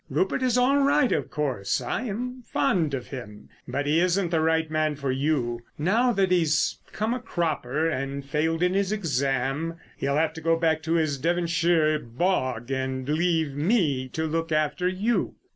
Rupert is all right, of course; I am fond of him, but he isn't the right man for you. Now that he's come a cropper and failed in his exam., he'll have to go back to his Devonshire bog and leave me to look after you."